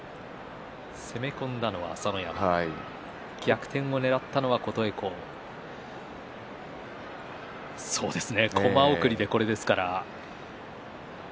攻め込んだのは朝乃山逆転をねらった琴恵光コマ送りでこれですから。